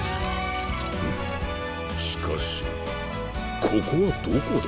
しかしここはどこだ？